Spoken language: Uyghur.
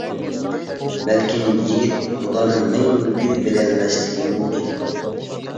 بەلكىم يىگىت بۇلارنى مەڭگۈ بىلەلمەسلىكى مۇمكىن.